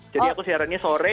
jadi aku siarannya sore